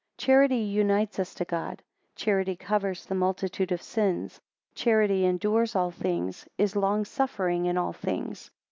4 Charity unites us to God; charity covers the multitude of sins: charity endures all things; is long suffering in all things.